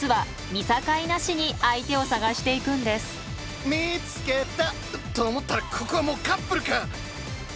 見つけた！と思ったらここはもうカップルか！